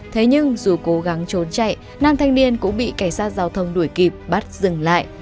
thế nhưng dù cố gắng trốn chạy nam thanh niên cũng bị cảnh sát giao thông đuổi kịp bắt dừng lại